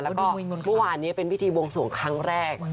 แล้วก็เมื่อวานนี้เป็นพิธีบวงสวงครั้งแรก